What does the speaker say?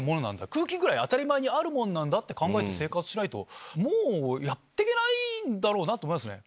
空気ぐらい当たり前だって考えて生活しないともうやってけないんだろうなと思いますね。